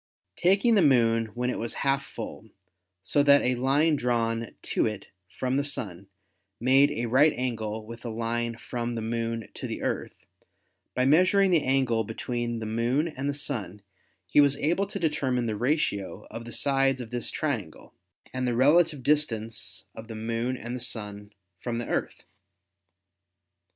Tak ing the Moon when it was half full, so that a line drawn to it from the Sun made a right angle with a line from the Moon to the Earth, by measuring the angle between the Moon and the Sun he was able to determine the ratio of the sides of this triangle and the relative distance of the Moon and the Sun from the Earth.